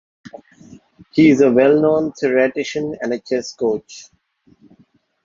He is a well-known theoretician and a chess coach.